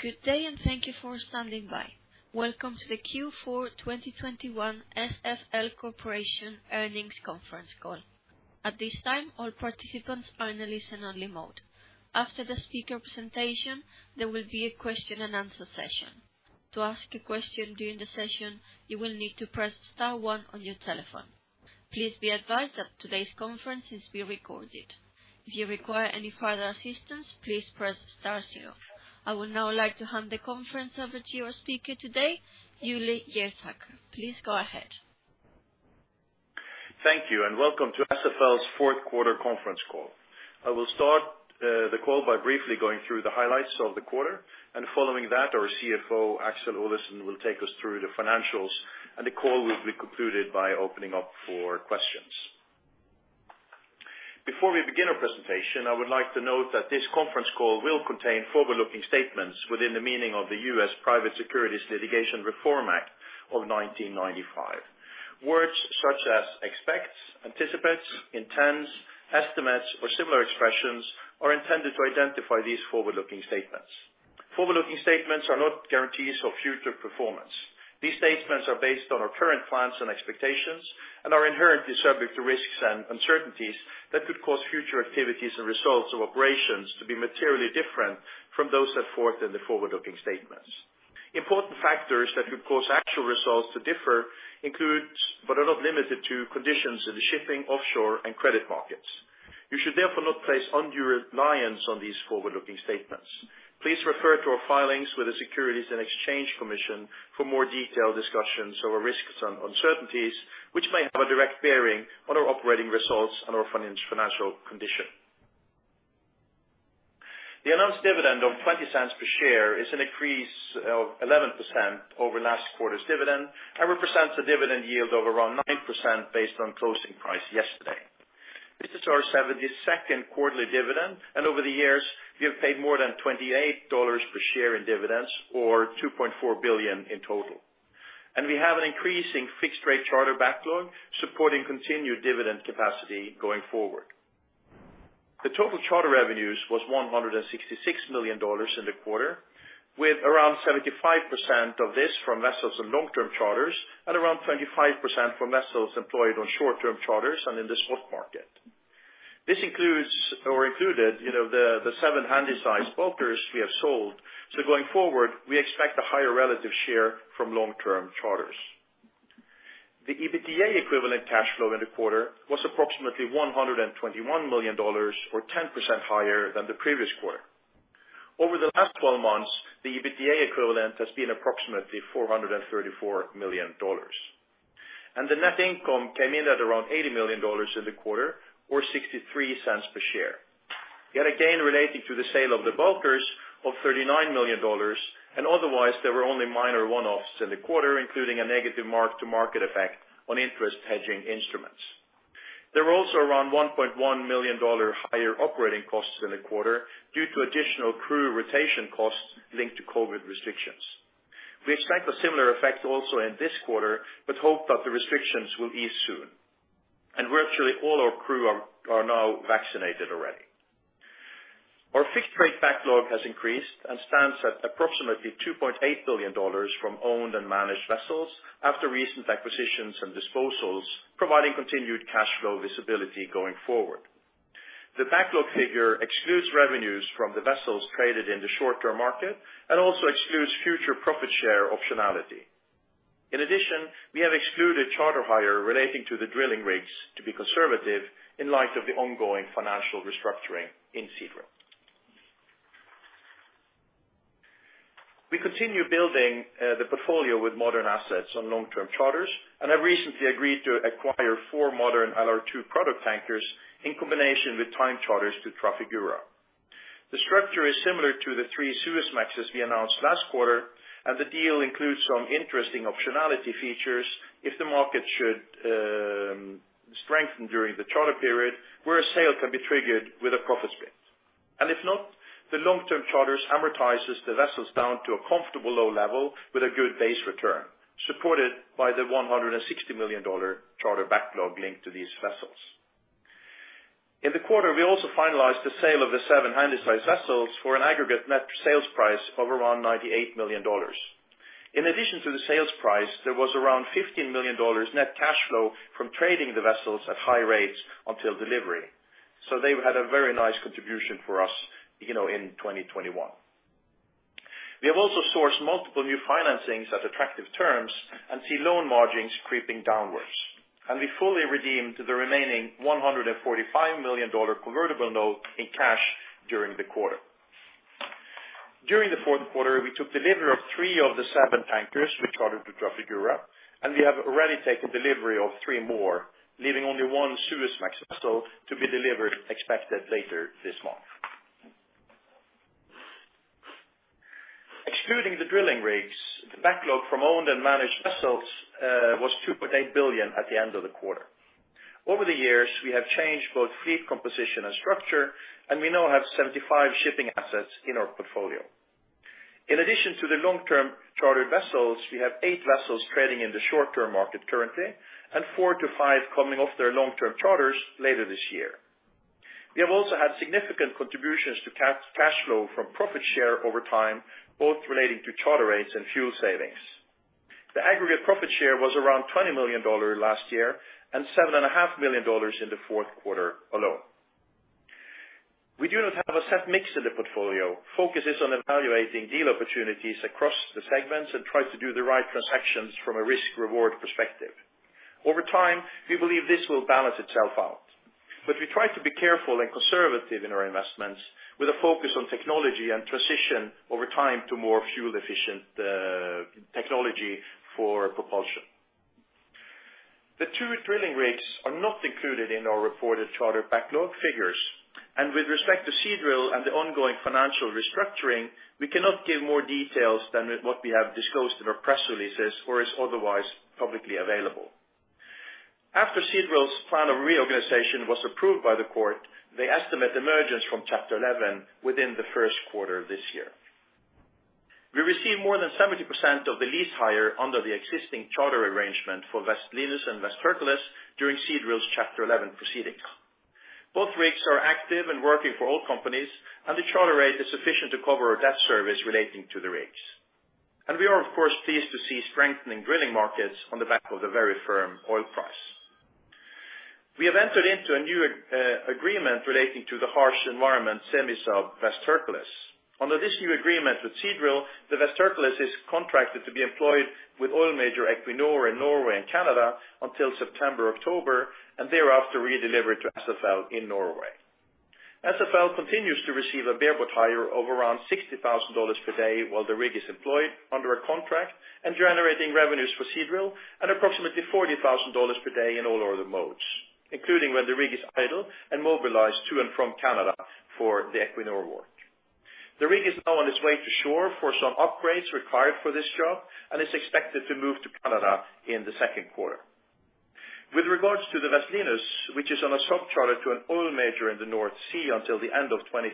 Good day and thank you for standing by. Welcome to the Q4 2021 SFL Corporation Earnings Conference Call. At this time, all participants are in a listen only mode. After the speaker presentation, there will be a question and answer session. To ask a question during the session, you will need to press star one on your telephone. Please be advised that today's conference is being recorded. If you require any further assistance, please press star zero. I would now like to hand the conference over to your speaker today, Ole Hjertaker. Please go ahead. Thank you and welcome to SFL's fourth quarter conference call. I will start the call by briefly going through the highlights of the quarter, and following that, our CFO, Aksel Olesen, will take us through the financials, and the call will be concluded by opening up for questions. Before we begin our presentation, I would like to note that this conference call will contain forward-looking statements within the meaning of the U.S. Private Securities Litigation Reform Act of 1995. Words such as expects, anticipates, intends, estimates, or similar expressions are intended to identify these forward-looking statements. Forward-looking statements are not guarantees of future performance. These statements are based on our current plans and expectations and are inherently subject to risks and uncertainties that could cause future activities and results of operations to be materially different from those set forth in the forward-looking statements. Important factors that could cause actual results to differ include, but are not limited to, conditions in the shipping, offshore and credit markets. You should therefore not place undue reliance on these forward-looking statements. Please refer to our filings with the Securities and Exchange Commission for more detailed discussions over risks and uncertainties which may have a direct bearing on our operating results and our financial condition. The announced dividend of $0.20 per share is an increase of 11% over last quarter's dividend and represents a dividend yield of around 9% based on closing price yesterday. This is our 72nd quarterly dividend, and over the years we have paid more than $28 per share in dividends or $2.4 billion in total. We have an increasing fixed rate charter backlog supporting continued dividend capacity going forward. The total charter revenues was $166 million in the quarter, with around 75% of this from vessels and long term charters at around 25% for vessels employed on short term charters and in the spot market. This includes or included, you know, the seven Handysize bulkers we have sold. Going forward, we expect a higher relative share from long term charters. The EBITDA equivalent cash flow in the quarter was approximately $121 million or 10% higher than the previous quarter. Over the last 12 months, the EBITDA equivalent has been approximately $434 million. The net income came in at around $80 million in the quarter or $0.63 per share. We had a gain relating to the sale of the bulkers of $39 million. Otherwise there were only minor one-offs in the quarter, including a negative mark-to-market effect on interest hedging instruments. There were also around $1.1 million higher operating costs in the quarter due to additional crew rotation costs linked to COVID restrictions. We expect a similar effect also in this quarter, but hope that the restrictions will ease soon. Virtually all our crew are now vaccinated already. Our fixed rate backlog has increased and stands at approximately $2.8 billion from owned and managed vessels after recent acquisitions and disposals, providing continued cash flow visibility going forward. The backlog figure excludes revenues from the vessels traded in the short term market and also excludes future profit share optionality. In addition, we have excluded charter hire relating to the drilling rigs to be conservative in light of the ongoing financial restructuring in Seadrill. We continue building the portfolio with modern assets on long-term charters, and have recently agreed to acquire four modern LR2 product tankers in combination with time charters to Trafigura. The structure is similar to the three Suezmaxes we announced last quarter, and the deal includes some interesting optionality features if the market should strengthen during the charter period where a sale can be triggered with a profit share. If not, the long-term charters amortizes the vessels down to a comfortable low level with a good base return supported by the $160 million charter backlog linked to these vessels. In the quarter, we also finalized the sale of the seven Handysize vessels for an aggregate net sales price of around $98 million. In addition to the sales price, there was around $15 million net cash flow from trading the vessels at high rates until delivery. They had a very nice contribution for us, you know, in 2021. We have also sourced multiple new financings at attractive terms and see loan margins creeping downwards. We fully redeemed the remaining $145 million dollar convertible note in cash during the quarter. During the fourth quarter, we took delivery of three of the seven tankers we chartered to Trafigura, and we have already taken delivery of three more, leaving only one Suezmax vessel to be delivered expected later this month. Excluding the drilling rigs, the backlog from owned and managed vessels was $2.8 billion at the end of the quarter. Over the years, we have changed both fleet composition and structure, and we now have 75 shipping assets in our portfolio. In addition to the long term chartered vessels, we have eight vessels trading in the short term market currently, and four to five coming off their long term charters later this year. We have also had significant contributions to cash flow from profit share over time, both relating to charter rates and fuel savings. The aggregate profit share was around $20 million last year and $7.5 million in the fourth quarter alone. We do not have a set mix in the portfolio. Focus is on evaluating deal opportunities across the segments and try to do the right transactions from a risk reward perspective. Over time, we believe this will balance itself out, but we try to be careful and conservative in our investments with a focus on technology and transition over time to more fuel efficient technology for propulsion. The two drilling rigs are not included in our reported charter backlog figures. With respect to Seadrill and the ongoing financial restructuring, we cannot give more details than what we have disclosed in our press releases or is otherwise publicly available. After Seadrill's plan of reorganization was approved by the court, they estimate emergence from Chapter 11 within the first quarter of this year. We received more than 70% of the lease hire under the existing charter arrangement for West Linus and West Hercules during Seadrill's Chapter 11 proceedings. Both rigs are active and working for oil companies, and the charter rate is sufficient to cover our debt service relating to the rigs. We are, of course, pleased to see strengthening drilling markets on the back of the very firm oil price. We have entered into a new agreement relating to the harsh environment semi-sub West Hercules. Under this new agreement with Seadrill, the West Hercules is contracted to be employed with oil major Equinor in Norway and Canada until September, October, and thereafter redelivered to SFL in Norway. SFL continues to receive a bareboat hire of around $60,000 per day while the rig is employed under a contract and generating revenues for Seadrill at approximately $40,000 per day in all other modes, including when the rig is idle and mobilized to and from Canada for the Equinor work. The rig is now on its way to shore for some upgrades required for this job and is expected to move to Canada in the second quarter. With regards to the West Linus, which is on a sub-charter to an oil major in the North Sea until the end of 2028,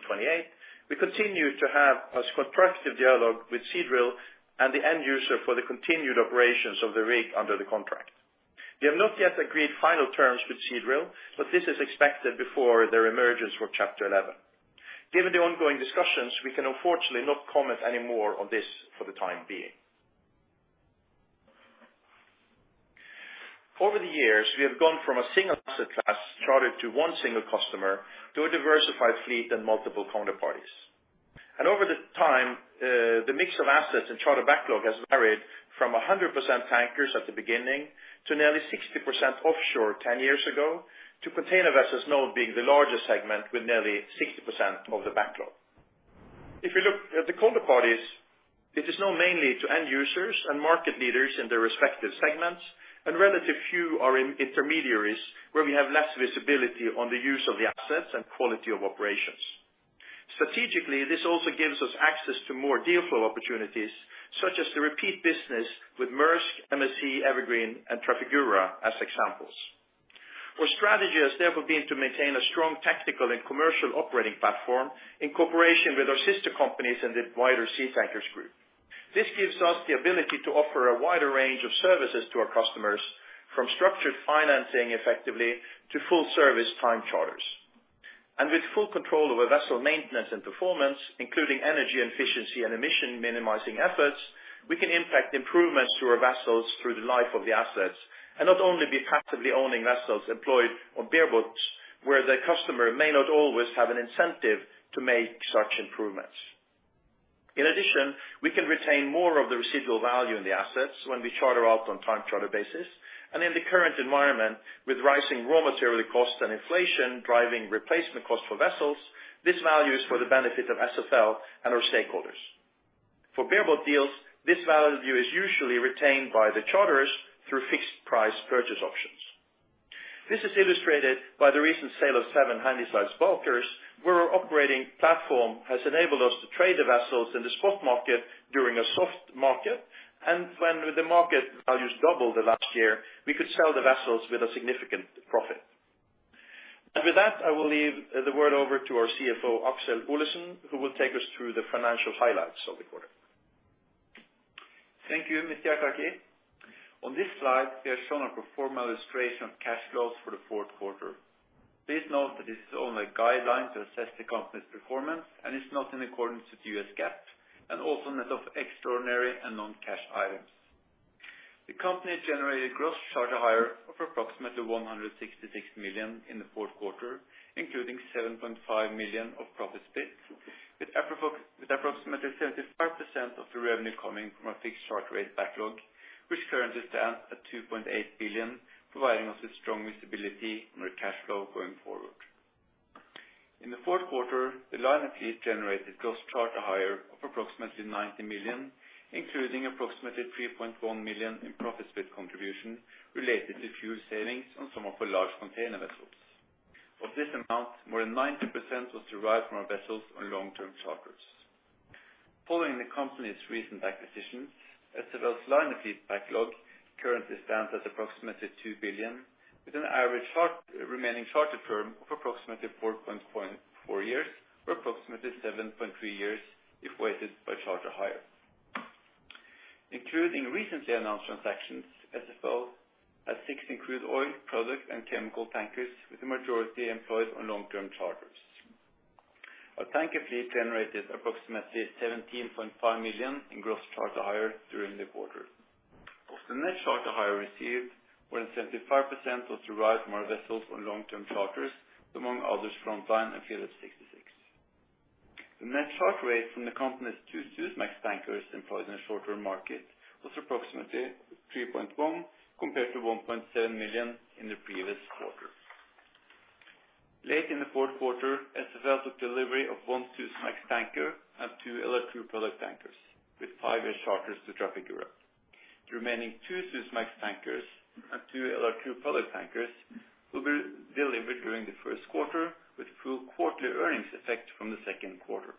we continue to have a constructive dialogue with Seadrill and the end user for the continued operations of the rig under the contract. We have not yet agreed final terms with Seadrill, but this is expected before their emergence from Chapter 11. Given the ongoing discussions, we can unfortunately not comment any more on this for the time being. Over the years, we have gone from a single asset class chartered to one single customer to a diversified fleet and multiple counterparties. Over the time, the mix of assets and charter backlog has varied from 100% tankers at the beginning to nearly 60% offshore 10 years ago, to container vessels now being the largest segment with nearly 60% of the backlog. If you look at the counterparties, it is now mainly to end users and market leaders in their respective segments, and relative few are in intermediaries where we have less visibility on the use of the assets and quality of operations. Strategically, this also gives us access to more deal flow opportunities, such as the repeat business with Maersk, MSC, Evergreen and Trafigura as examples. Our strategy has therefore been to maintain a strong tactical and commercial operating platform in cooperation with our sister companies in the wider Seatankers group. This gives us the ability to offer a wider range of services to our customers, from structured financing effectively to full service time charters. With full control over vessel maintenance and performance, including energy efficiency and emission minimizing efforts, we can impact improvements to our vessels through the life of the assets and not only be passively owning vessels employed on bareboats, where the customer may not always have an incentive to make such improvements. In addition, we can retain more of the residual value in the assets when we charter out on time charter basis. In the current environment, with rising raw material costs and inflation driving replacement costs for vessels, this value is for the benefit of SFL and our stakeholders. For bareboat deals, this value is usually retained by the charters through fixed price purchase options. This is illustrated by the recent sale of seven Handysize bulkers, where our operating platform has enabled us to trade the vessels in the spot market during a soft market. When the market values doubled the last year, we could sell the vessels with a significant profit. With that, I will leave the word over to our CFO, Aksel Olesen, who will take us through the financial highlights of the quarter. Thank you, Ole Hjertaker. On this slide, we have shown a pro forma illustration of cash flows for the fourth quarter. Please note that this is only a guideline to assess the company's performance and is not in accordance with U.S. GAAP and also net of extraordinary and non-cash items. The company generated gross charter hire of approximately $166 million in the fourth quarter, including $7.5 million of profit split, with approximately 75% of the revenue coming from our fixed charter rate backlog, which currently stands at $2.8 billion, providing us with strong visibility on our cash flow going forward. In the fourth quarter, the liner fleet generated gross charter hire of approximately $90 million, including approximately $3.1 million in profit split contribution related to fuel savings on some of our large container vessels. Of this amount, more than 90% was derived from our vessels on long-term charters. Following the company's recent acquisitions, SFL's liner fleet backlog currently stands at approximately $2 billion, with an average remaining charter term of approximately 4.4 years, or approximately 7.3 years if weighted by charter hire. Including recently announced transactions, SFL has six, including oil, product, and chemical tankers, with the majority employed on long-term charters. Our tanker fleet generated approximately $17.5 million in gross charter hire during the quarter. Of the net charter hire received, more than 75% was derived from our vessels on long-term charters, among others, Frontline, and Phillips 66. The net charter rate from the company's two Suezmax tankers employed in the short-term market was approximately $3.1 million, compared to $1.7 million in the previous quarter. Late in the fourth quarter, SFL took delivery of one Suezmax tanker and two LR2 product tankers, with five-year charters to Trafigura. The remaining two Suezmax tankers and two LR2 product tankers will be delivered during the first quarter, with full quarterly earnings effect from the second quarter.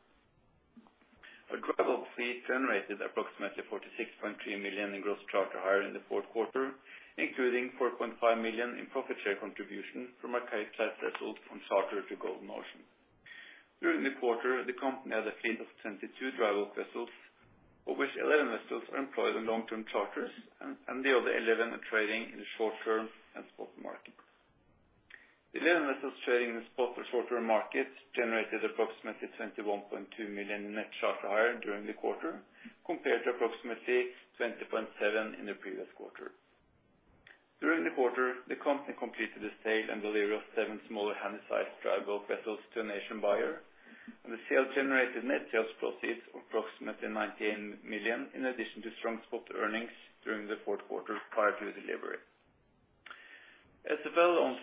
Our dry bulk fleet generated approximately $46.3 million in gross charter hire in the fourth quarter, including $4.5 million in profit share contribution from our Capesize vessel from charter to Golden Ocean. During the quarter, the company had a fleet of 22 dry bulk vessels, of which 11 vessels are employed in long-term charters and the other 11 vessels are trading in the short term and spot markets. The 11 vessels trading in the spot and short term markets generated approximately $21.2 million in net charter hire during the quarter, compared to approximately $20.7 million in the previous quarter. During the quarter, the company completed the sale and delivery of seven smaller Handysize dry bulk vessels to an Asian buyer, and the sale generated net sales proceeds of approximately $19 million, in addition to strong spot earnings during the fourth quarter prior to the delivery. SFL owns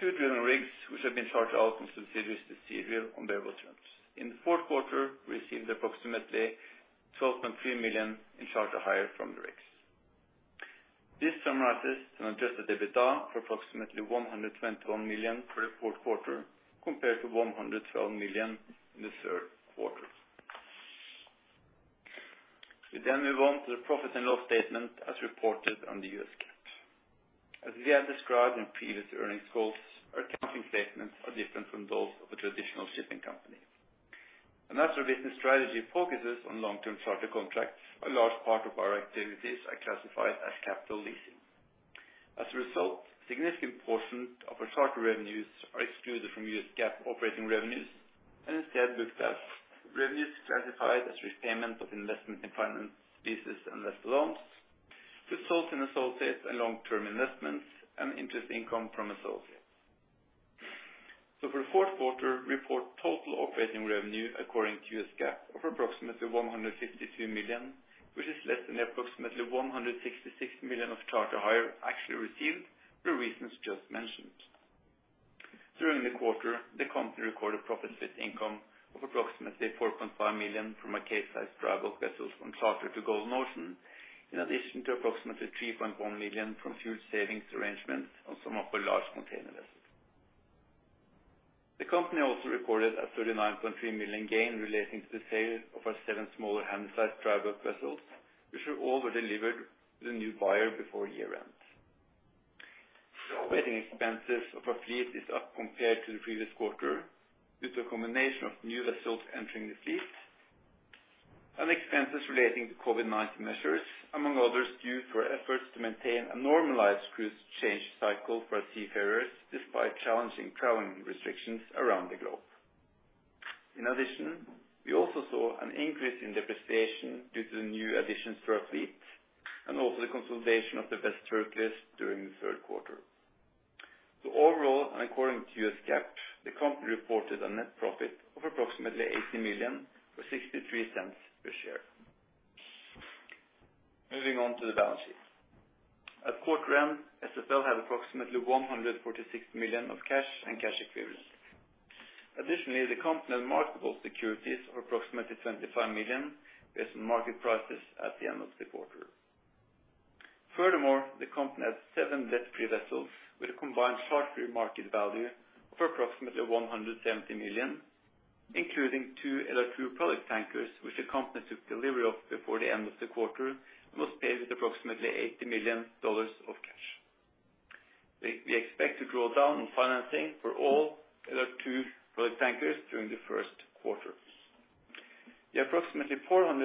two drilling rigs, which have been chartered out from subsidiaries to Seadrill on favorable terms. In the fourth quarter, we received approximately $12.3 million in charter hire from the rigs. This summarizes an adjusted EBITDA for approximately $121 million for the fourth quarter, compared to $112 million in the third quarter. We then move on to the profit and loss statement as reported on the U.S. GAAP. As we have described in previous earnings calls, our accounting statements are different from those of a traditional shipping company. As our business strategy focuses on long-term charter contracts, a large part of our activities are classified as capital leasing. As a result, significant portion of our charter revenues are excluded from U.S. GAAP operating revenues and instead booked as revenues classified as repayment of investment in finance leases and loans, results from associates and long-term investments, and interest income from associates. For the fourth quarter, we report total operating revenue according to U.S. GAAP of approximately $152 million, which is less than the approximately $166 million of charter hire actually received for reasons just mentioned. During the quarter, the company recorded profit share income of approximately $4.5 million from our Capesize dry bulk vessels on charter to Golden Ocean, in addition to approximately $3.1 million from fuel savings arrangements on some of our large container vessels. The company also recorded a $39.3 million gain relating to the sale of our seven smaller Handysize dry bulk vessels, which were all delivered to the new buyer before year-end. The operating expenses of our fleet is up compared to the previous quarter due to a combination of new vessels entering the fleet and expenses relating to COVID-19 measures, among others, due to our efforts to maintain a normalized crew change cycle for our seafarers despite challenging traveling restrictions around the globe. In addition, we also saw an increase in depreciation due to the new additions to our fleet and also the consolidation of the West Hercules during the third quarter. Overall, and according to U.S. GAAP, the company reported a net profit of approximately $80 million, or $0.63 per share. Moving on to the balance sheet. At quarter end, SFL had approximately $146 million of cash and cash equivalents. Additionally, the company had marketable securities of approximately $25 million based on market prices at the end of the quarter. Furthermore, the company had seven debt-free vessels with a combined charter market value of approximately $170 million, including two LR2 product tankers, which the company took delivery of before the end of the quarter and was paid with approximately $80 million of cash. We expect to draw down on financing for all LR2 product tankers during the first quarter. The approximately $430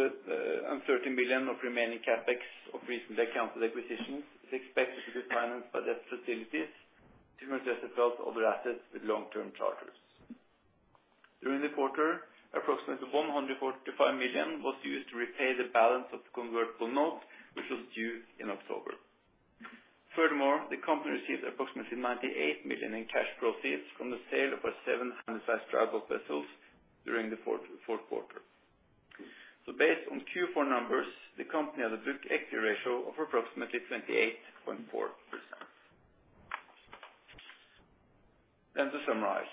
million of remaining CapEx of recently accounted acquisitions is expected to be financed by debt facilities to invest across other assets with long-term charters. During the quarter, approximately $145 million was used to repay the balance of the convertible note, which was due in October. Furthermore, the company received approximately $98 million in cash proceeds from the sale of our seven Handysize dry bulk vessels during the fourth quarter. Based on Q4 numbers, the company has a book equity ratio of approximately 28.4%. To summarize,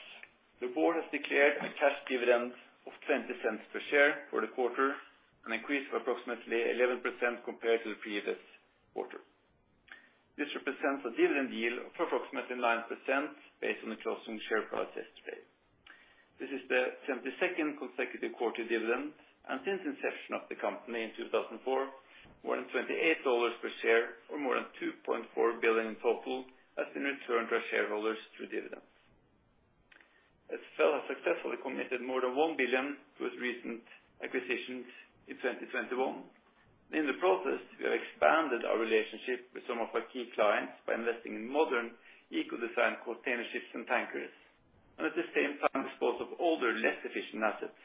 the board has declared a cash dividend of $0.20 per share for the quarter, an increase of approximately 11% compared to the previous quarter. This represents a dividend yield of approximately 9% based on the closing share price yesterday. This is the 72nd consecutive quarter dividend, and since inception of the company in 2004, more than $28 per share for more than $2.4 billion in total has been returned to our shareholders through dividends. Successfully committed more than $1 billion with recent acquisitions in 2021. In the process, we have expanded our relationship with some of our key clients by investing in modern eco-designed container ships and tankers. At the same time, we dispose of older, less efficient assets,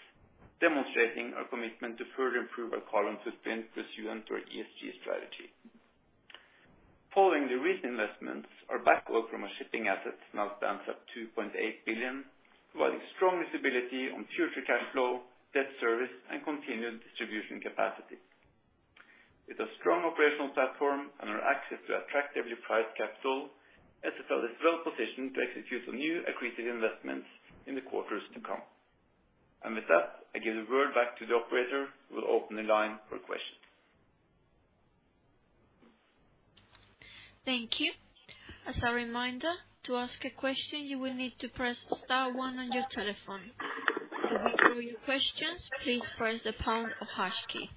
demonstrating our commitment to further improve our carbon footprint pursuant to our ESG strategy. Following the recent investments, our backlog from our shipping assets now stands at $2.8 billion, providing strong visibility on future cash flow, debt service, and continued distribution capacity. With a strong operational platform and our access to attractively priced capital, SFL is well positioned to execute on new accretive investments in the quarters to come. With that, I give the word back to the operator who will open the line for questions. Thank you. As a reminder, to ask a question, you will need to press star one on your telephone. To withdraw your questions, please press the pound or hash key.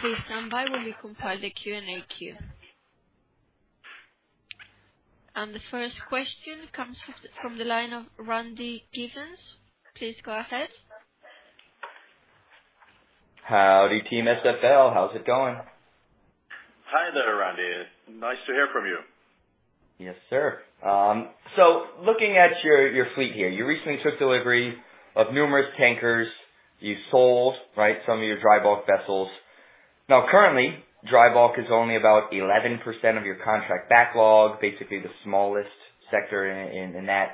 Please stand by while we compile the Q&A queue. The first question comes from the line of Randall Giveans. Please go ahead. Howdy, team SFL. How's it going? Hi there, Randy. Nice to hear from you. Yes, sir. Looking at your fleet here, you recently took delivery of numerous tankers. You sold, right, some of your dry bulk vessels. Now, currently, dry bulk is only about 11% of your contract backlog, basically the smallest sector in that.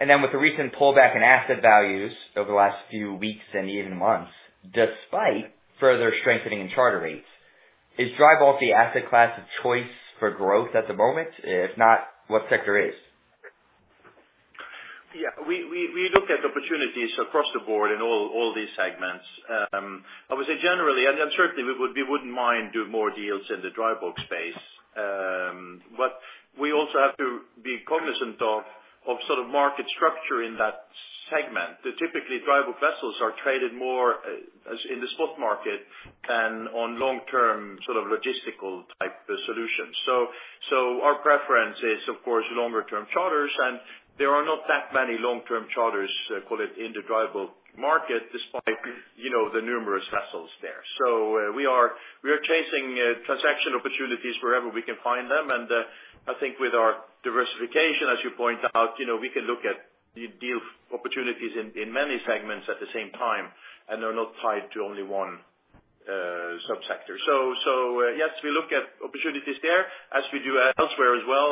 With the recent pullback in asset values over the last few weeks and even months, despite further strengthening in charter rates, is dry bulk the asset class of choice for growth at the moment? If not, what sector is? Yeah, we look at opportunities across the board in all these segments. I would say generally, and certainly we wouldn't mind doing more deals in the dry bulk space, but we also have to be cognizant of sort of market structure in that segment. Typically, dry bulk vessels are traded more in the spot market than on long-term sort of logistical type solutions. Our preference is, of course, longer-term charters, and there are not that many long-term charters, call it, in the dry bulk market, despite, you know, the numerous vessels there. We are chasing transaction opportunities wherever we can find them. I think with our diversification, as you point out, you know, we can look at deal opportunities in many segments at the same time, and they're not tied to only one subsector. So, yes, we look at opportunities there as we do elsewhere as well,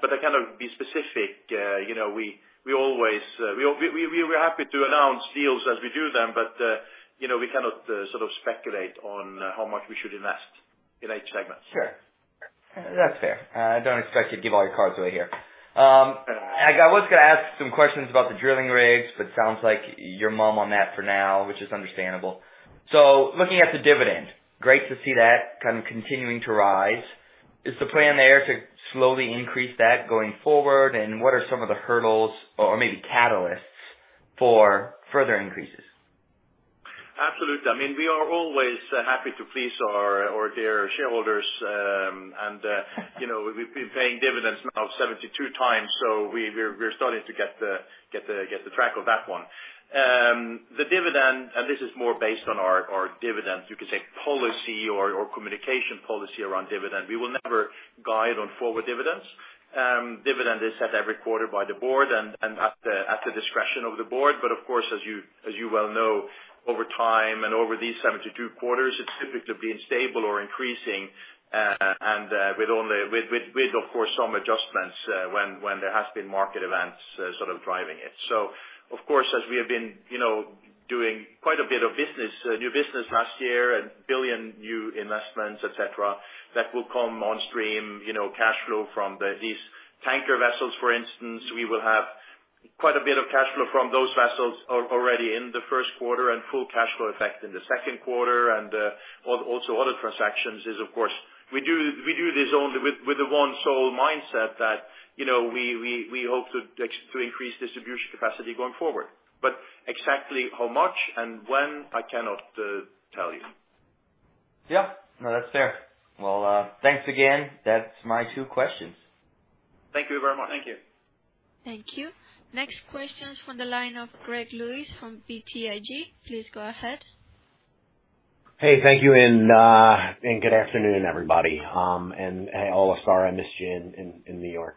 but I cannot be specific. You know, we always, we're happy to announce deals as we do them, but you know, we cannot sort of speculate on how much we should invest in each segment. Sure. That's fair. I don't expect you to give all your cards away here. I was gonna ask some questions about the drilling rigs, but sounds like you're mum on that for now, which is understandable. Looking at the dividend, great to see that kind of continuing to rise. Is the plan there to slowly increase that going forward? What are some of the hurdles or maybe catalysts for further increases? Absolutely. I mean, we are always happy to please our dear shareholders. You know, we've been paying dividends now 72 times, so we're starting to get the track of that one. The dividend, and this is more based on our dividend, you could say, policy or communication policy around dividend. We will never guide on forward dividends. Dividend is set every quarter by the board and at the discretion of the board. Of course, as you well know, over time and over these 72 quarters, it's typically been stable or increasing, and with, of course, some adjustments, when there has been market events sort of driving it. Of course, as we have been, you know, doing quite a bit of business, new business last year and $1 billion new investments, etc., that will come on stream, you know, cash flow from these tanker vessels, for instance. We will have quite a bit of cash flow from those vessels already in the first quarter and full cash flow effect in the second quarter. Also other transactions is of course, we do this only with the one sole mindset that, you know, we hope to increase distribution capacity going forward. Exactly how much and when, I cannot tell you. Yeah. No, that's fair. Well, thanks again. That's my two questions. Thank you very much. Thank you. Next question is from the line of Greg Lewis from BTIG. Please go ahead. Hey, thank you. Good afternoon, everybody. Hey, Ole, sorry I missed you in New York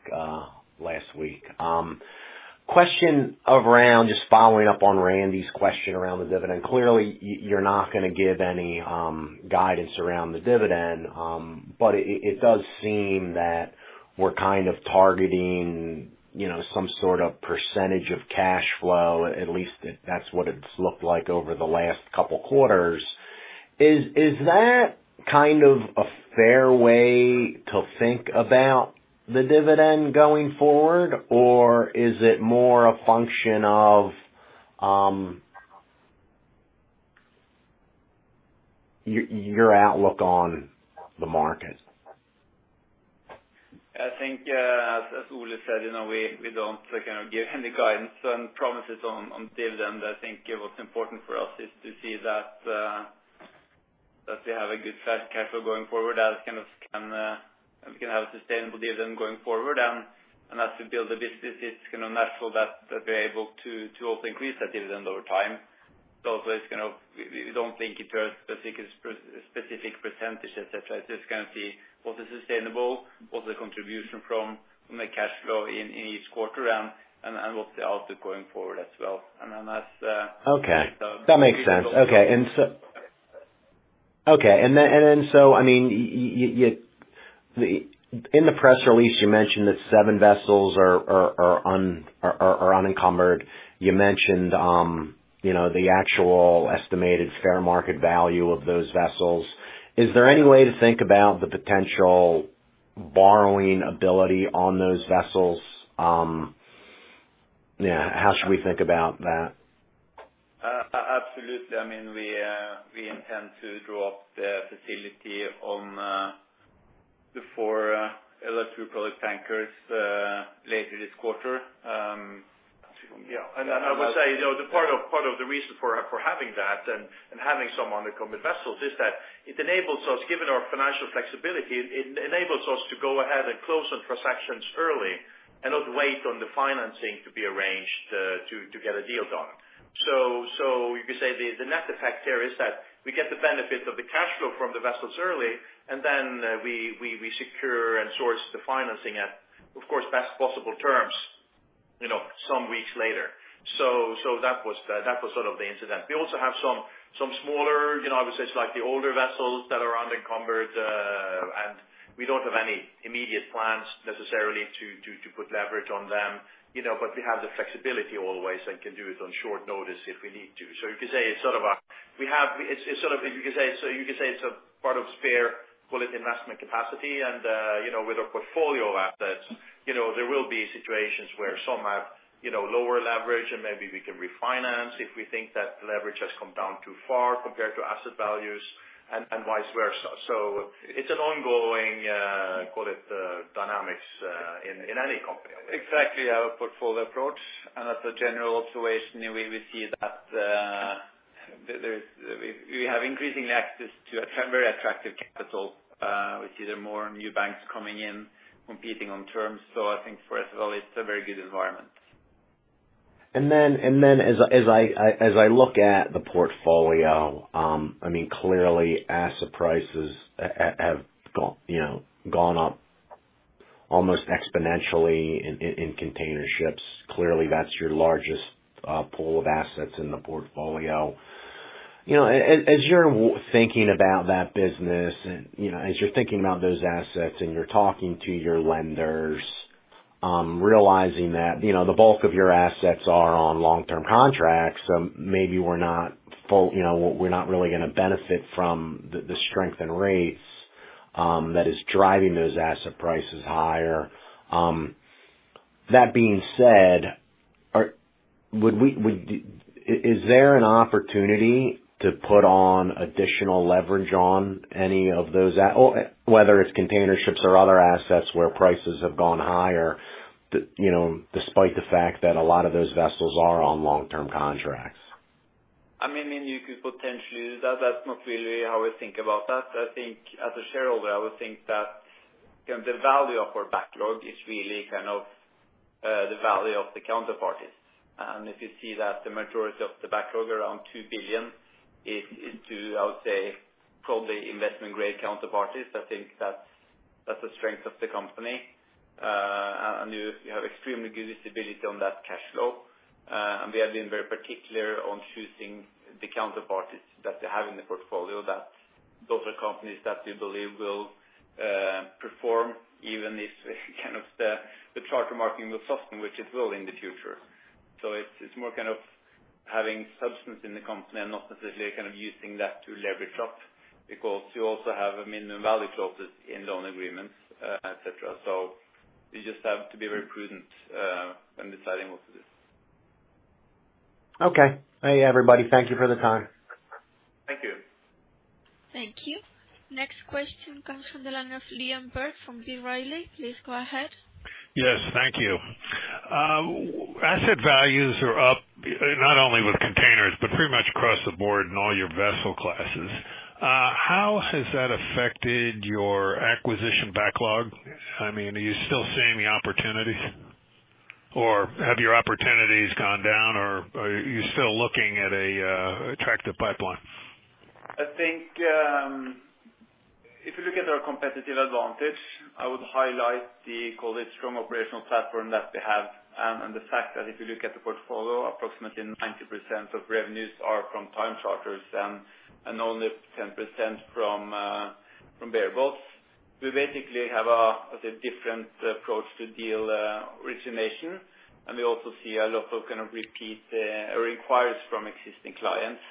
last week. Question around just following up on Randy's question around the dividend. Clearly, you're not gonna give any guidance around the dividend, but it does seem that we're kind of targeting, you know, some sort of percentage of cash flow, at least that's what it's looked like over the last couple quarters. Is that kind of a fair way to think about the dividend going forward? Or is it more a function of your outlook on the market? I think, as Ole said, you know, we don't kind of give any guidance and promises on dividend. I think what's important for us is to see that, That we have a good cash flow going forward that kind of can, we can have a sustainable dividend going forward. As we build the business, it's kind of natural that we're able to also increase that dividend over time. Also, we don't link it to a specific percentage, etc. It's just gonna be what is sustainable, what's the contribution from the cash flow in each quarter and what's the outlook going forward as well. Then as Okay. That makes sense. Okay. In the press release, you mentioned that seven vessels are unencumbered. You mentioned, you know, the actual estimated fair market value of those vessels. Is there any way to think about the potential borrowing ability on those vessels? Yeah, how should we think about that? Absolutely. I mean, we intend to draw up the facility on the four LR2 product tankers later this quarter. Yeah. I would say, you know, the part of the reason for having that and having some unencumbered vessels is that it enables us, given our financial flexibility, to go ahead and close on transactions early and not wait on the financing to be arranged to get a deal done. You could say the net effect here is that we get the benefit of the cash flow from the vessels early, and then we secure and source the financing at, of course, best possible terms, you know, some weeks later. That was sort of the incentive. We also have some smaller, you know, obviously it's like the older vessels that are unencumbered, and we don't have any immediate plans necessarily to put leverage on them, you know, but we have the flexibility always and can do it on short notice if we need to. So you could say it's sort of a part of spare, call it, investment capacity. You know, with our portfolio of assets, you know, there will be situations where some have, you know, lower leverage, and maybe we can refinance if we think that leverage has come down too far compared to asset values and vice versa. So it's an ongoing, call it, dynamics in any company. Exactly. Our portfolio approach and as a general observation, we see that we have increasing access to very attractive capital. We see more new banks coming in competing on terms. I think for us as well, it's a very good environment. As I look at the portfolio, I mean, clearly asset prices have gone up almost exponentially in containerships. Clearly, that's your largest pool of assets in the portfolio. You know, as you're thinking about that business and, you know, as you're thinking about those assets and you're talking to your lenders, realizing that, you know, the bulk of your assets are on long-term contracts, so maybe we're not really gonna benefit from the strength in rates that is driving those asset prices higher. That being said, is there an opportunity to put on additional leverage on any of those or whether it's containerships or other assets where prices have gone higher, you know, despite the fact that a lot of those vessels are on long-term contracts? I mean, you could potentially. That's not really how I think about that. I think as a shareholder, I would think that, you know, the value of our backlog is really kind of the value of the counterparties. If you see that the majority of the backlog around $2 billion is to, I would say, probably investment grade counterparties, I think that's a strength of the company. You have extremely good visibility on that cash flow. We have been very particular on choosing the counterparties that we have in the portfolio, that those are companies that we believe will perform even if kind of the charter market will soften, which it will in the future. It's more kind of having substance in the company and not necessarily kind of using that to leverage up because you also have a minimum value clauses in loan agreements, et cetera. You just have to be very prudent when deciding what to do. Okay. Hey, everybody. Thank you for the time. Thank you. Thank you. Next question comes from the line of Liam Burke from B. Riley. Please go ahead. Yes. Thank you. Asset values are up, not only with containers, but pretty much across the board in all your vessel classes. How has that affected your acquisition backlog? I mean, are you still seeing the opportunities, or have your opportunities gone down, or are you still looking at a attractive pipeline? I think if you look at our competitive advantage, I would highlight the call it strong operational platform that we have and the fact that if you look at the portfolio, approximately 90% of revenues are from time charters and only 10% from bareboats. We basically have a, I'd say, different approach to deal origination. We also see a lot of kind of repeat or inquiries from existing clients,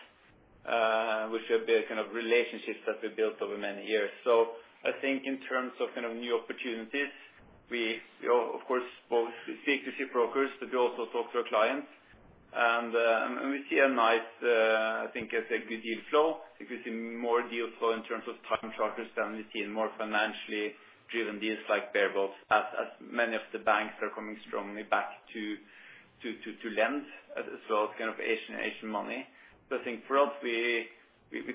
which have built kind of relationships that we built over many years. I think in terms of kind of new opportunities, we of course both speak to ship brokers, but we also talk to our clients. We see a nice. I think it's a good deal flow. We could see more deal flow in terms of time charters than we see in more financially driven deals like bareboats as many of the banks are coming strongly back to lend as well as kind of Asian money. I think for us, we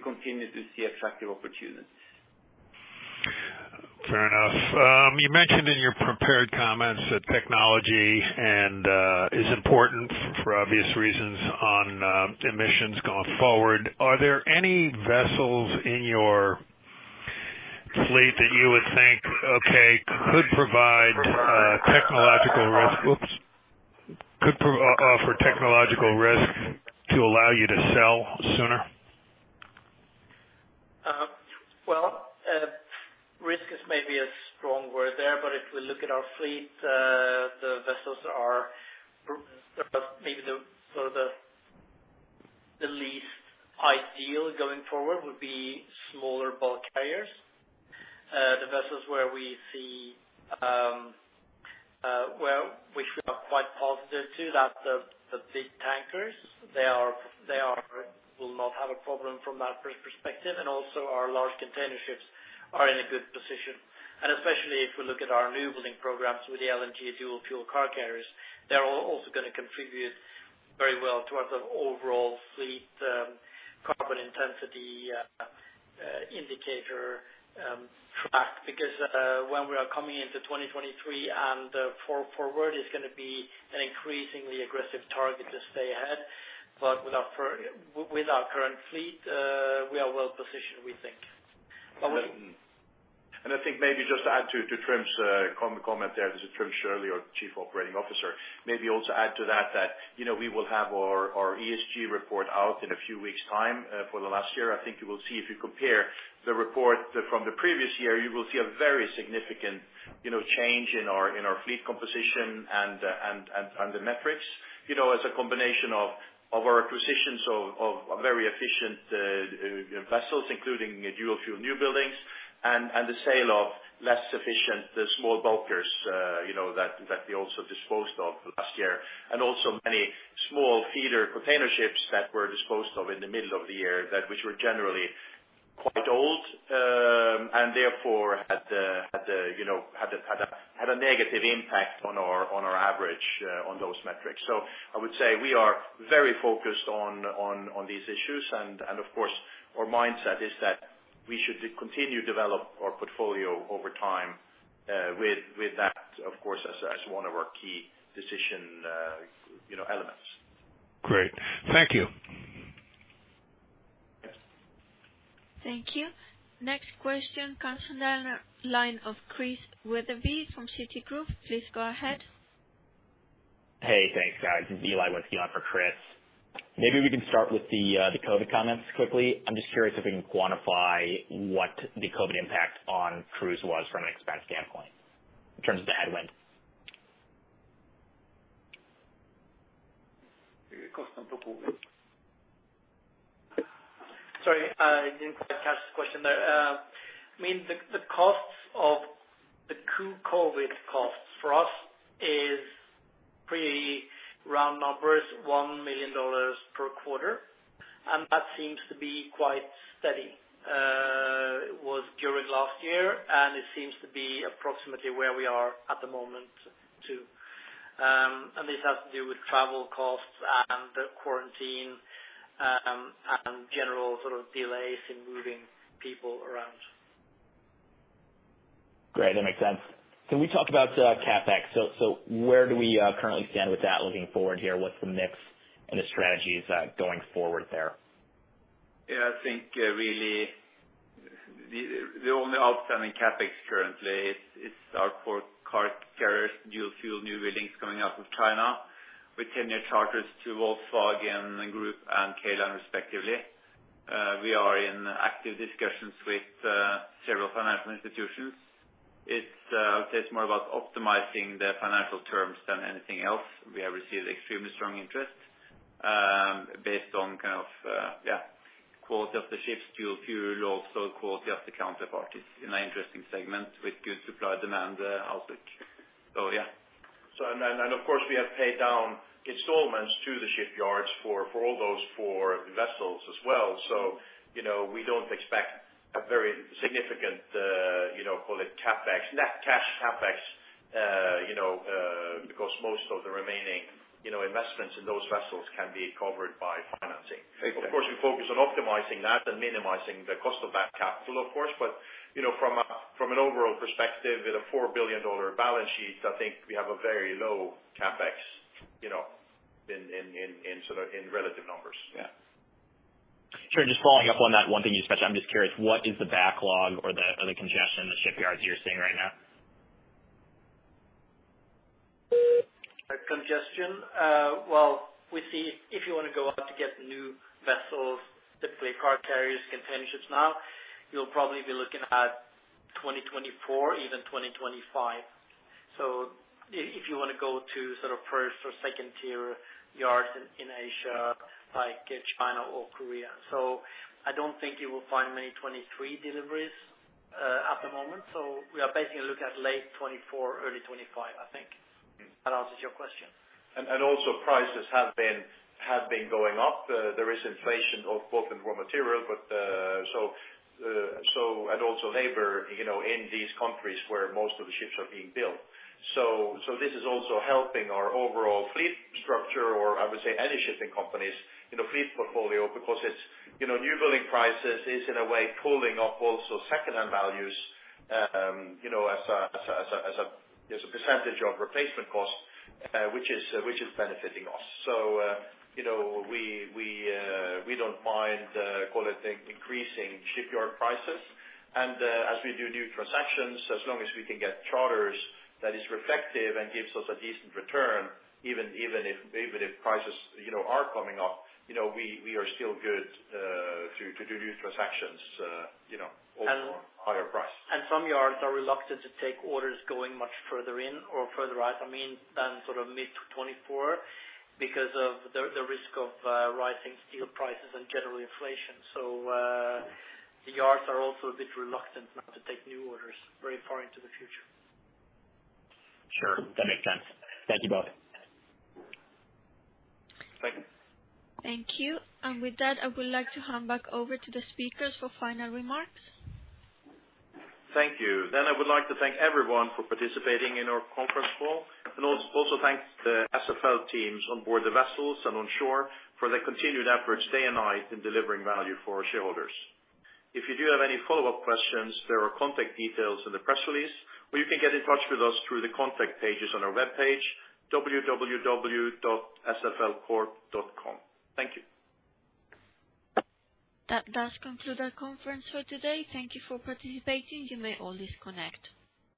continue to see attractive opportunities. Fair enough. You mentioned in your prepared comments that technology and is important for obvious reasons on emissions going forward. Are there any vessels in your fleet that you would think, okay, could provide technological risk to allow you to sell sooner? Well, risk is maybe a strong word there, but if we look at our fleet, the vessels are sort of the least ideal going forward would be smaller bulk carriers. The vessels where we see well, which we are quite positive to that the big tankers they are will not have a problem from that perspective. Also our large container ships are in a good position. Especially if we look at our new building programs with the LNG dual-fuel car carriers, they're also gonna contribute very well towards the overall fleet Carbon Intensity Indicator track. Because when we are coming into 2023 and forward, it's gonna be an increasingly aggressive target to stay ahead. With our current fleet, we are well positioned, we think. I think maybe just to add to Trym Sjølie comment there. This is Trym Sjølie, our Chief Operating Officer. Maybe also add to that, you know, we will have our ESG report out in a few weeks time for the last year. I think you will see if you compare the report from the previous year, you will see a very significant, you know, change in our fleet composition and the metrics. You know, as a combination of our acquisitions of a very efficient vessels, including dual fuel new buildings and the sale of less efficient small bulkers, you know, that we also disposed of last year. Also many small feeder container ships that were disposed of in the middle of the year, which were generally quite old, and therefore had you know had a negative impact on our average on those metrics. I would say we are very focused on these issues and of course our mindset is that we should continue develop our portfolio over time, with that of course as one of our key decision you know elements. Great. Thank you. Yes. Thank you. Next question comes from the line of Chris Wetherbee from Citigroup. Please go ahead. Hey, thanks, guys. This is Eli with you on for Chris. Maybe we can start with the COVID comments quickly. I'm just curious if we can quantify what the COVID impact on cruise was from an expense standpoint in terms of the headwinds. Sorry, I didn't quite catch the question there. I mean, the costs of the COVID costs for us is pretty round numbers, $1 million per quarter, and that seems to be quite steady. It was during last year, and it seems to be approximately where we are at the moment too. This has to do with travel costs and quarantine, and general sort of delays in moving people around. Great. That makes sense. Can we talk about CapEx? Where do we currently stand with that looking forward here? What's the mix and the strategies going forward there? Yeah, I think really the only outstanding CapEx currently is our four car carriers dual fuel new buildings coming out of China with 10-year charters to Volkswagen Group and K Line respectively. We are in active discussions with several financial institutions. It's I would say it's more about optimizing the financial terms than anything else. We have received extremely strong interest based on quality of the ships, dual fuel, also quality of the counterparties in an interesting segment with good supply demand outlook. Yeah. Of course, we have paid down installments to the shipyards for all those four vessels as well. You know, we don't expect a very significant, you know, call it CapEx, net cash CapEx, you know, because most of the remaining, you know, investments in those vessels can be covered by financing. Of course, we focus on optimizing that and minimizing the cost of that capital, of course. You know, from an overall perspective with a $4 billion balance sheet, I think we have a very low CapEx, you know, in sort of relative numbers. Yeah. Sure. Just following up on that one thing you just mentioned. I'm just curious, what is the backlog or the congestion in the shipyards you're seeing right now? Congestion? Well, we see if you want to go out to get new vessels, typically car carriers, container ships now, you'll probably be looking at 2024, even 2025. If you want to go to sort of first or second tier yards in Asia, like China or Korea. I don't think you will find many 2023 deliveries at the moment. We are basically looking at late 2024, early 2025, I think. That answers your question. Also prices have been going up. There is inflation in both raw material and labor, you know, in these countries where most of the ships are being built. This is also helping our overall fleet structure or I would say any shipping companies, you know, fleet portfolio because it's, you know, new building prices is in a way pulling up also secondhand values, you know, as a percentage of replacement costs, which is benefiting us. You know, we don't mind, call it increasing shipyard prices. As we do new transactions, as long as we can get charters that is reflective and gives us a decent return, even if prices, you know, are coming up, you know, we are still good to do new transactions, you know, also higher price. Some yards are reluctant to take orders going much further in or further out, I mean, than sort of mid to 2024 because of the risk of rising steel prices and generally inflation. The yards are also a bit reluctant now to take new orders very far into the future. Sure. That makes sense. Thank you both. Thank you. Thank you. With that, I would like to hand back over to the speakers for final remarks. Thank you. I would like to thank everyone for participating in our conference call and also thank the SFL teams on board the vessels and on shore for their continued efforts day and night in delivering value for our shareholders. If you do have any follow-up questions, there are contact details in the press release, or you can get in touch with us through the contact pages on our webpage, www.sflcorp.com. Thank you. That does conclude our conference for today. Thank you for participating. You may all disconnect.